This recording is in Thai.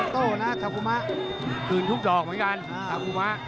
จากโต๊ะนะทะพุมะ